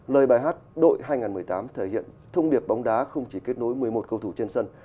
lời bài hát đội hai nghìn một mươi tám thể hiện thông điệp bóng đá không chỉ kết nối một mươi một cầu thủ trên sân